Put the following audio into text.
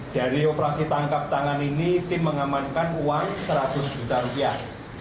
dari operasi tangkap tangan ini tim mengamankan uang seratus juta rupiah